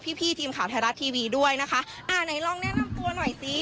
พี่พี่ทีมข่าวไทยรัฐทีวีด้วยนะคะอ่าไหนลองแนะนำตัวหน่อยซิ